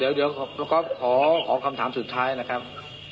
เดี๋ยวก็ขอคำถามสุดท้ายนะครับ